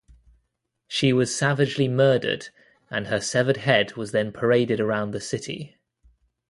She was savagely murdered, and her severed head was then paraded around the city.